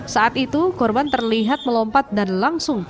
saat itu korban terlihat melompat dan langsung